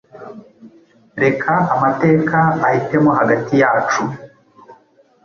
Reka Amateka ahitemo hagati yacu